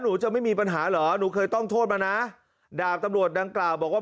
หนูจะไม่มีปัญหาเหรอหนูเคยต้องโทษมานะดาบตำรวจดังกล่าวบอกว่า